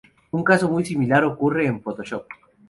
Un caso muy similar ocurre en PhotoShop.